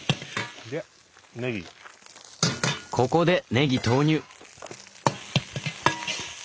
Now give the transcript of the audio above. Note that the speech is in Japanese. ここでねぎ投入！